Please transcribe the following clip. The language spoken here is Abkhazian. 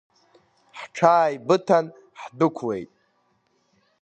Ҳҽааибыҭан ҳдәықәлеит.